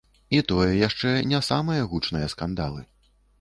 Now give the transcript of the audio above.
І тое яшчэ не самыя гучныя скандалы.